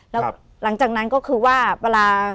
แล้วหลังจากนั้นก็คือว่าเวลา